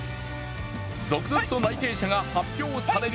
続々と内定者が発表される